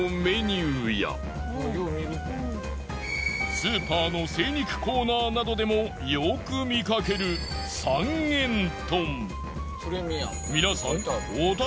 スーパーの精肉コーナーなどでもよく見かける三元豚。